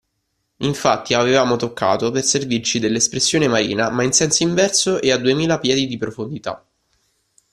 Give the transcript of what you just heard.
Infatti, avevamo toccato, per servirci dell'espressione marina, ma in senso inverso e a duemila piedi di profondità.